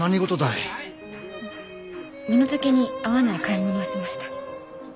身の丈に合わない買い物をしました。